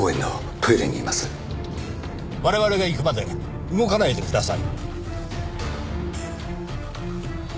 我々が行くまで動かないでください。